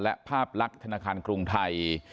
และภาพลักษณ์ธนาคารกรุงไทย